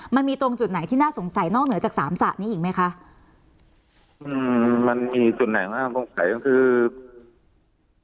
มันมีตรงจุดไหนที่น่าสงสัยนอกเหนือจากสามสระนี้อีกไหมคะอืมมันมีจุดไหนน่าสงสัยก็คือ